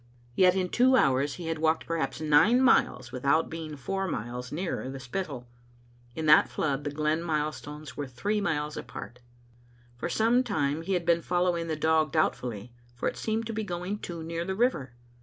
Yet in two hours he had walked perhaps nine miles without being four miles nearer the Spittal. In that flood the glen milestones were three miles apart. For some time he had been following the dog doubt fully, for it seemed to be going too near the river.